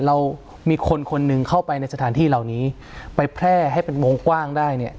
เรามีคนคนหนึ่งเข้าไปในสถานที่เหล่านี้ไปแพร่ให้เป็นวงกว้างได้เนี่ย